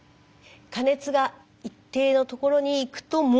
加熱が一定のところにいくともう。